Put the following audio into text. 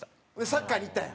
サッカーにいったんや？